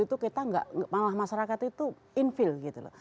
itu kita nggak malah masyarakat itu infill gitu loh